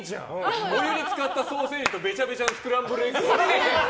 お湯につかったソーセージとべちゃべ茶のスクランブルエッグ。